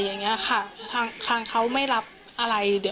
อย่างนี้ค่ะบางครั้งเค้าไม่รับอะไร